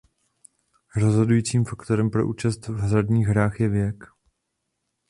Rozhodujícím faktorem pro účast v hazardních hrách je věk.